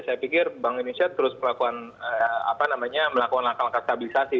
saya pikir bank indonesia terus melakukan langkah langkah stabilisasi